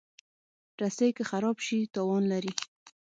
رسۍ که خراب شي، تاوان لري.